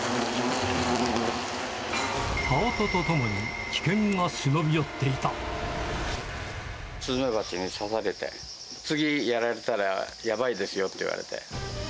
羽音とともに危険が忍び寄っていスズメバチに刺されて、次やられたらやばいですよって言われて。